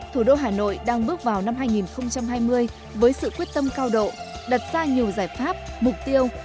thủ đô hà nội đang bước vào năm hai nghìn hai mươi với sự quyết tâm cao độ đặt ra nhiều giải pháp mục tiêu